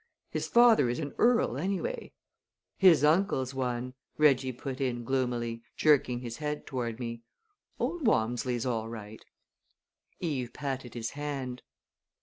His father is an earl, anyway." "His uncle's one," Reggie put in gloomily, jerking his head toward me. "Old Walmsley's all right." Eve patted his hand.